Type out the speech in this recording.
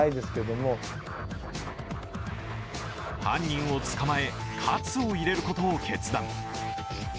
犯人を捕まえ、喝を入れることを決断。